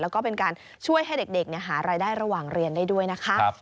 แล้วก็เป็นการช่วยให้เด็กหารายได้ระหว่างเรียนได้ด้วยนะคะ